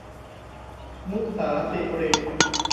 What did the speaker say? ณุศาศิริ